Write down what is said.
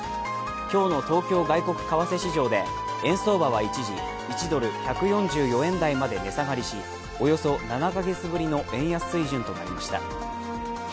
今日の東京外国為替市場で円相場は一時、１ドル＝１４４円台まで値下がりしおよそ７か月ぶりの円安水準となりました。